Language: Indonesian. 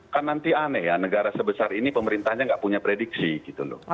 kan nanti aneh ya negara sebesar ini pemerintahnya nggak punya prediksi gitu loh